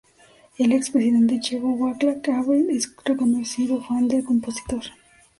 El expresidente checo Václav Havel es un reconocido fan del compositor.